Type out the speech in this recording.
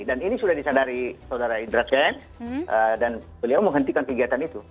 dan ini sudah disadari saudara indra cash dan beliau menghentikan kegiatan itu